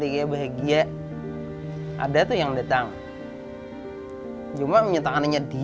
hidupnya di regia mbak jumatnya diem ija ada masalah cuma bayi lah misalnya oma lah